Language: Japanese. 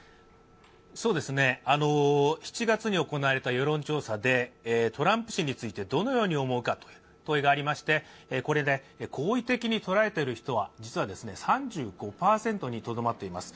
７月に行われた世論調査でトランプ氏についてどのように思うかという問いがありましてこれで好意的に捉えている人は実に３５％にとどまっています。